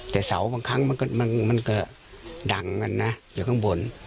แต่เสาบางครั้งมันก็ดังกันนะอยู่ข้างบน